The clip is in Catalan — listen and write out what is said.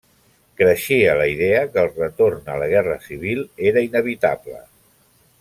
Creixia la idea que el retorn a la guerra civil era inevitable.